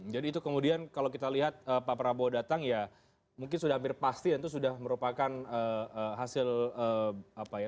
jadi itu kemudian kalau kita lihat pak prabowo datang ya mungkin sudah hampir pasti itu sudah merupakan hasil apa ya